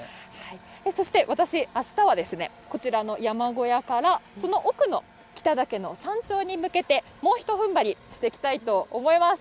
そして私、あしたは、こちらの山小屋から、その奥の北岳の山頂に向けて、もうひとふんばりしていきたいと思います。